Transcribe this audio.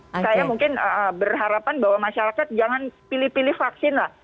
saya mungkin berharapan bahwa masyarakat jangan pilih pilih vaksin lah